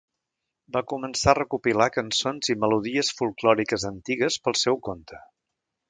Va començar a recopilar cançons i melodies folklòriques antigues pel seu compte.